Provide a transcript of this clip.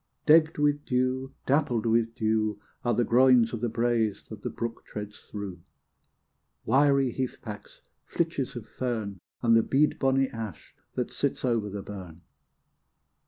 D egged with dew, dappled with dew Are the groins of the braes that the brook treads through, Wiry heathpacks, flitches of fern, And the bead bonny ash that sits over the burn.